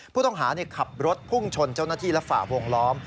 ผู้ต้องหาขับรถพุ่งชนเจ้าหน้าที่และฝ่าวงล้อม